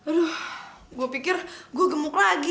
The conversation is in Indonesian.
aduh gue pikir gue gemuk lagi